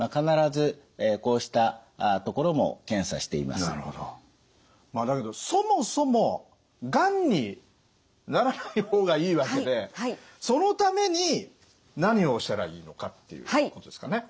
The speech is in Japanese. まあだけどそもそもがんにならない方がいいわけでそのために何をしたらいいのかっていうことですかね。